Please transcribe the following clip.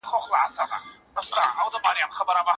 شور به ګډ وي د بلبلو ږغ به راسي د پایلو